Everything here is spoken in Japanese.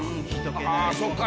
そっか